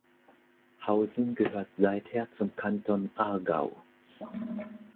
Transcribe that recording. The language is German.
Hausen gehört seither zum Kanton Aargau.